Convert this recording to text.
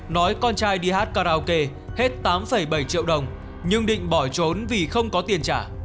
nói con trai đi hát karaoke hết tám bảy triệu đồng nhưng định bỏ trốn vì không có tiền trả